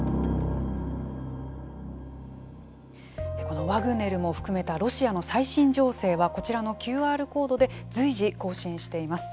このワグネルも含めたロシアの最新情勢はこちらのＱＲコードで随時更新しています。